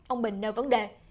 ông bình nơi vấn đề